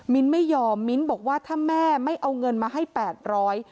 ไม่ยอมมิ้นบอกว่าถ้าแม่ไม่เอาเงินมาให้แปดร้อย